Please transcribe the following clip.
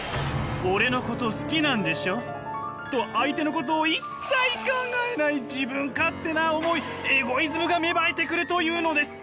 「オレのこと好きなんでしょ？」と相手のことを一切考えない自分勝手な思いエゴイズムが芽生えてくるというのです！